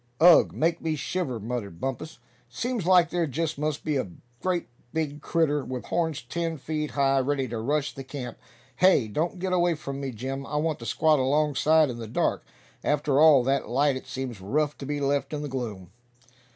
"Ugh! make me shiver," muttered Bumpus. "Seems like there just must be a great big critter, with horns ten feet high, ready to rush the camp. Hey! don't get away from me, Jim; I want to squat alongside in the dark. After all that light it seems rough to be left in the gloom."